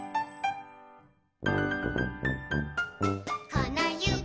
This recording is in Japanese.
「このゆび